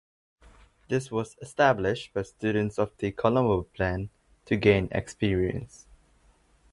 This was established by students of the Colombo Plan to gain experience.